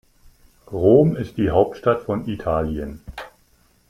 Rom ist die Hauptstadt von Italien.